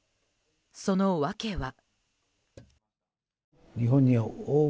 その訳は。